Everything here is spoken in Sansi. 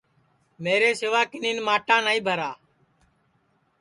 میرے سیوا کِنین ماٹا نائی بھرا